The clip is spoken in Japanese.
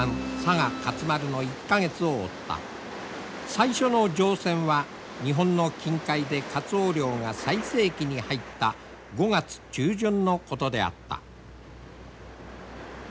最初の乗船は日本の近海でカツオ漁が最盛期に入った５月中旬のことであった。